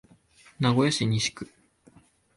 名古屋市西区